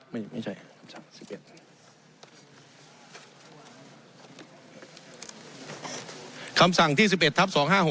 ไม่ใช่คำสั่ง๑๑คำสั่งที่๑๑ทัพ๒๕๖